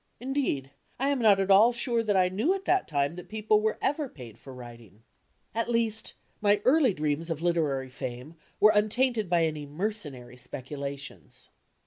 Indeed, I am not at ail sure that I knew at that time that people were ever paid for writing. At least, my early dreams of literary fame were untainted by any mercenary speculations.